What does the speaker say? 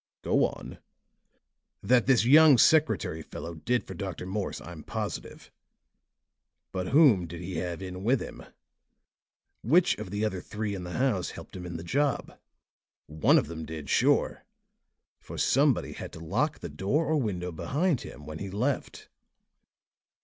"Go on." "That this young secretary fellow did for Dr. Morse, I'm positive. But whom did he have in with him? Which one of the other three in the house helped him in the job? One of them did, sure; for somebody had to lock the door or window behind him when he left."